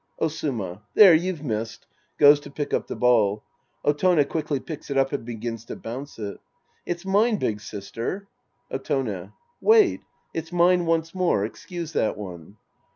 Osuma. There, you've missed. {Goes to pick up the ball. Otone quickly picks it up and begins to bounce it.) It's mine, big sister. Otone. Wait. It's mine once more. Excuse that one.